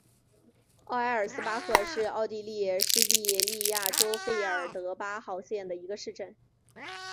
奥埃尔斯巴赫是奥地利施蒂利亚州费尔德巴赫县的一个市镇。